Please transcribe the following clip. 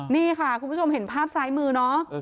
นี่ค่ะคุณผู้ชมเห็นภาพซ้ายมือเนาะ